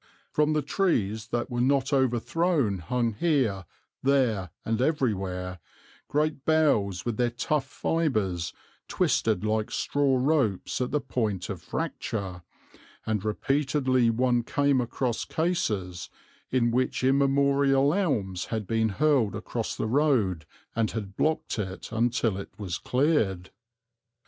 From the trees that were not overthrown hung here, there, and everywhere, great boughs with their tough fibres twisted like straw ropes at the point of fracture, and repeatedly one came across cases in which immemorial elms had been hurled across the road and had blocked it until it was cleared.